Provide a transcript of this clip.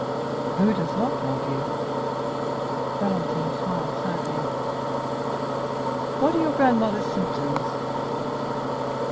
"Who does not love you?" Valentine smiled sadly. "What are your grandmother's symptoms?"